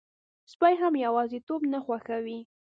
سپي هم یواځيتوب نه خوښوي.